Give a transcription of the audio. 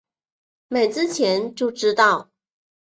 买之前就知道